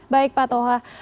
baik pak toha